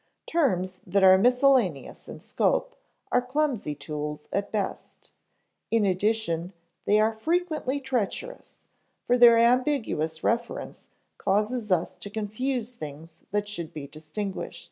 Terms that are miscellaneous in scope are clumsy tools at best; in addition they are frequently treacherous, for their ambiguous reference causes us to confuse things that should be distinguished.